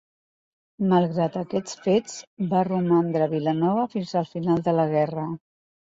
Malgrat aquests fets, va romandre a Vilanova fins al final de la guerra.